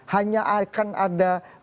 hanya akan ada